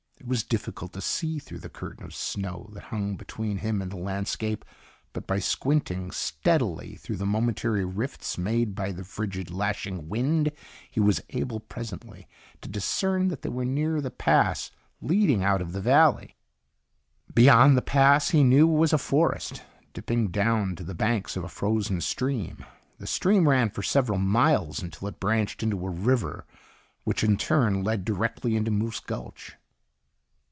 It was difficult to see through the curtain of snow that hung between him and the landscape, but by squinting steadily through momentary rifts made by the frigid, lashing wind, he was able presently to discern that they were near the pass leading out of the valley. Beyond the pass, he knew, was a forest, dipping down to the banks of a frozen stream. The stream ran for several miles until it branched into a river, which in turn led directly into Moose Gulch.